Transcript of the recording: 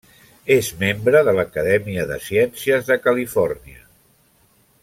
És membre de l'Acadèmia de Ciències de Califòrnia.